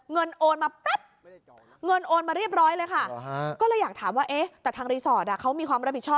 เงินโอนมาปั๊บไม่ได้จร